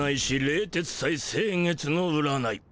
冷徹斎星月の占い